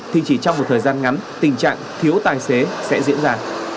thì chỉ trong một thời gian ngắn tình trạng thiếu tài xế sẽ diễn ra